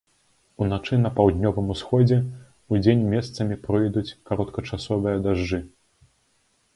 Уначы на паўднёвым усходзе, удзень месцамі пройдуць кароткачасовыя дажджы.